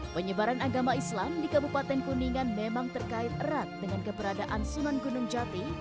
penyebaran agama islam di kabupaten kuningan memang terkait erat dengan keberadaan sunan gunung jati